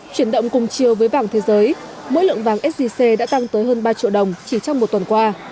chuyển động cùng chiều với vàng thế giới mỗi lượng vàng sgc đã tăng tới hơn ba triệu đồng chỉ trong một tuần qua